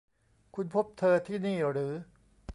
คุณพบเธอที่นี่หรือ